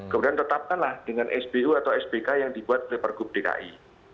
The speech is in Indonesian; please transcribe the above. kemudian tetapkanlah dengan sbu atau sbk yang dibuat oleh per gub dki